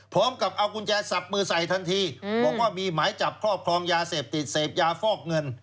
พร้อมกับเอากุญแจสับมือใส่ทันทีบอกว่ามีหมายจับครอบครองยาเสพติดเสพยาฟอกเงิน